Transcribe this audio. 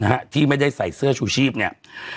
นะฮะที่ไม่ได้ใส่เสื้อชูชีพเนี่ย